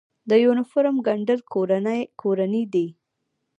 د یونیفورم ګنډل کورني دي؟